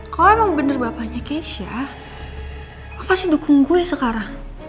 kalau emang bener bapaknya keisha aku pasti dukung gue sekarang